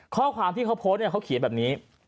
ข้อความที่เขาโพสต์เขาเขียนแบบนี้